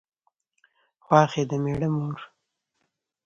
خواښې د مېړه مور